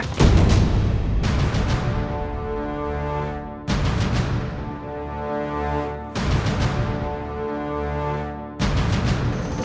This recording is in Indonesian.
ini udah berakhir ya